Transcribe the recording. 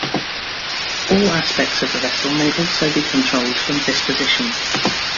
All aspects of the vessel may also be controlled from this position.